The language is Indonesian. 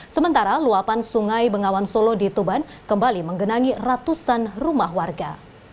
sementara luapan sungai bengawan solo di tuban kembali menggenangi ratusan rumah warga